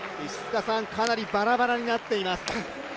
かなりバラバラになっています。